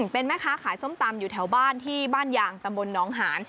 เป็นแม่ค้าขายส้มตำอยู่แถวบ้านที่บ้านยางตำบลน้องหาน